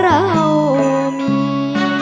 ก็มี